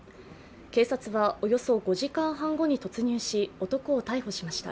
警察は、およそ５時間半後に突入し男を逮捕しました。